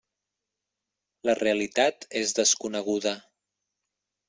La realitat és desconeguda.